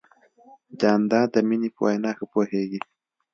جانداد د مینې په وینا ښه پوهېږي.